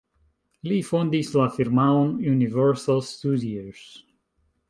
Li fondis la firmaon Universal Studios.